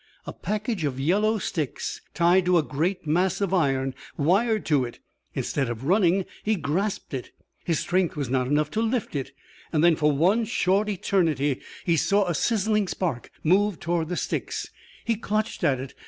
A package of yellow sticks tied to a great mass of iron wired to it. Instead of running, he grasped it. His strength was not enough to lift it. Then, for one short eternity, he saw a sizzling spark move toward the sticks. He clutched at it.